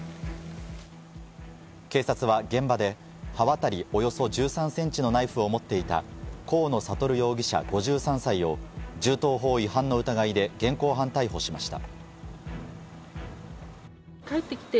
警察は現場で刃渡りおよそ１３ｃｍのナイフを持っていた河野智容疑者、５３歳を銃刀法違反の疑いで現行犯逮捕しました。